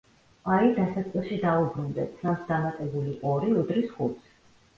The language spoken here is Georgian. აი, დასაწყისში დავუბრუნდეთ, სამს დამატებული ორი უდრის ხუთს.